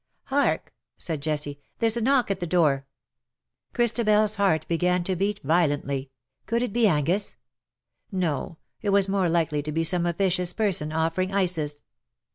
" Hark !" said Jessie ;^' there^s a knock at the door." ChristabePs heart began to beat violently. Could it be Angus? No, it was more likely to be some officious person, offering ices.